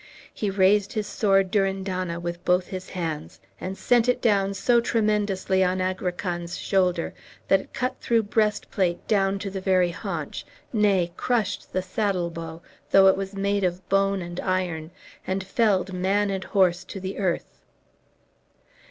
He raised his sword Durindana with both his hands, and sent it down so tremendously on Agrican's shoulder that it cut through breastplate down to the very haunch, nay, crushed the saddle bow, though it was made of bone and iron, and felled man and horse to the earth.